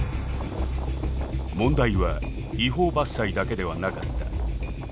問題は違法伐採だけではなかった